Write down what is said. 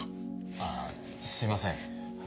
あぁすいません。